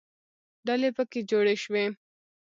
ډلې پکې جوړې شوې.